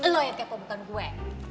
lo yang kepo bukan gue